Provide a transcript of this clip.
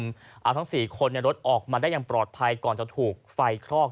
เอาทั้ง๔คนในรถออกมาได้อย่างปลอดภัยก่อนจะถูกไฟคลอก